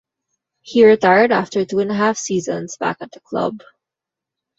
He retired after two and a half seasons back at the club.